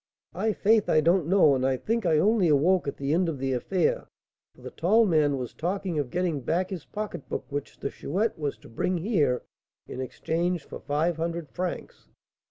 "I'faith I don't know, and I think I only awoke at the end of the affair, for the tall man was talking of getting back his pocketbook, which the Chouette was to bring here in exchange for five hundred francs.